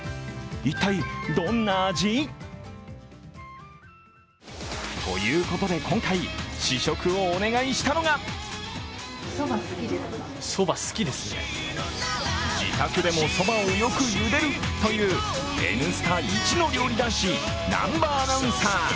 一体、どんな味？ということで、今回試食をお願いしたのが自宅でも、そばをよくゆでるというＮスタ一の料理男子、南波アナウンサー。